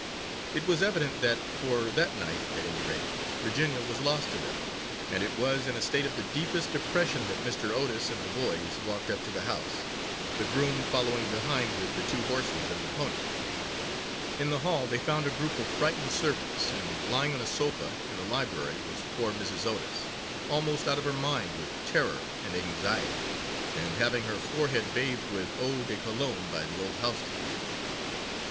It was evident that, for that night at any rate, Virginia was lost to them; and it was in a state of the deepest depression that Mr. Otis and the boys walked up to the house, the groom following behind with the two horses and the pony. In the hall they found a group of frightened servants, and lying on a sofa in the library was poor Mrs. Otis, almost out of her mind with terror and anxiety, and having her forehead bathed with eau de cologne by the old housekeeper. Mr.